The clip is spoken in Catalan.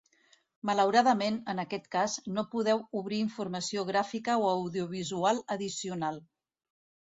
Malauradament, en aquest cas, no podeu obrir informació gràfica o audiovisual addicional.